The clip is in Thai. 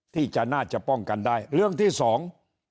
ที่จะน่าจะป้องกันได้เรื่องที่สอง